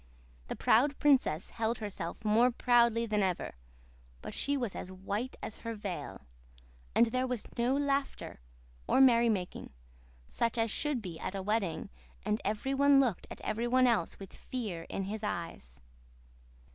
The proud princess held herself more proudly than ever, but she was as white as her veil. And there was no laughter or merry making, such as should be at a wedding, and every one looked at every one else with fear in his eyes.